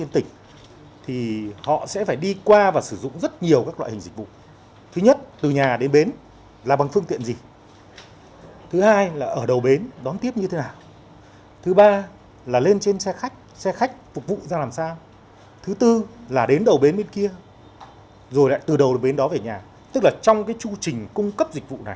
tức là trong cái chu trình cung cấp dịch vụ này thì nó là một chuỗi các nhà cung cấp